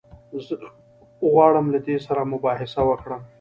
زه غواړم له ده سره مباحثه وکړم.